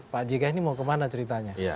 pak jk ini mau kemana ceritanya